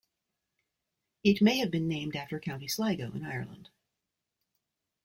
It may have been named after County Sligo in Ireland.